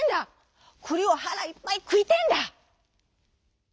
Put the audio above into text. くりをはらいっぱいくいてえんだ」。